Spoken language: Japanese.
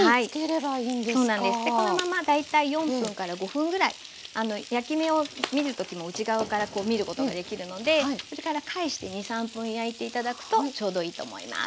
このまま大体４分５分ぐらい焼き目を見る時も内側からこう見ることができるのでそれから返して２３分焼いて頂くとちょうどいいと思います。